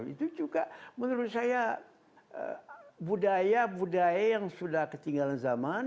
itu juga menurut saya budaya budaya yang sudah ketinggalan zaman